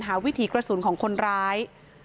วิถีกระสุนของคนร้าย